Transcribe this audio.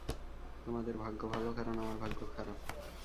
তোমাদের ভাগ্য ভালো, কারণ আমার ভাগ্য খারাপ।